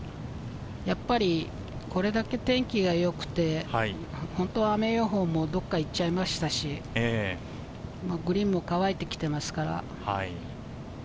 やっぱりこれだけ天気が良くて、雨予報もどっかに行っちゃいましたし、グリーンも乾いてきていますから。